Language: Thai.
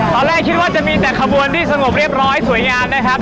ตอนแรกคิดว่าจะมีแต่ขบวนที่สงบเรียบร้อยสวยงามนะครับ